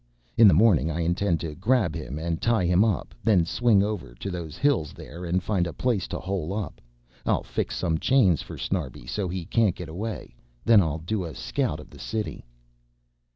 In the morning I intend to grab him and tie him up, then swing over to those hills there and find a place to hole up. I'll fix some chains for Snarbi so he can't get away, then I'll do a scout of the city...."